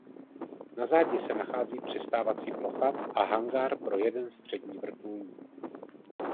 Na zádi se nachází přistávací plocha a hangár pro jeden střední vrtulník.